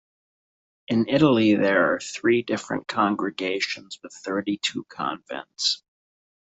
In Italy there are three different congregations with thirty-two convents.